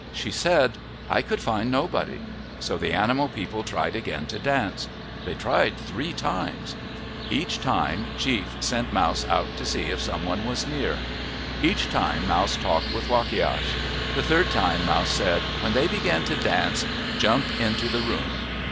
She said, " I could find nobody." So the animal people tried again to dance. They tried three times. Each time, Chief sent Mouse out to see if some one was near. Each time, Mouse talked with Wakiash. The third time Mouse said, " When they begin to dance, jump into the room."